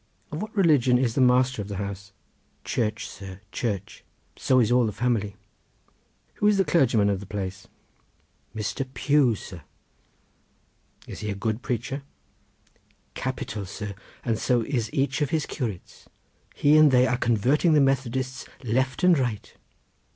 "Of what religion is the master of the house?" "Church, sir, church; so is all the family." "Who is the clergyman of the place?" "Mr. Pugh, sir!" "Is he a good preacher?" "Capital, sir! and so is each of his curates; he and they are convarting the Methodists left and right."